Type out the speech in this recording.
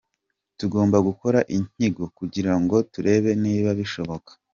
Tugomba gukora inyigo kugira ngo turebe niba bishoboka.